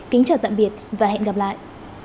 kính chào tạm biệt và hẹn gặp lại